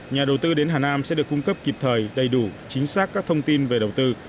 nhà đầu tư đến hà nam sẽ được cung cấp kịp thời đầy đủ chính xác các thông tin về đầu tư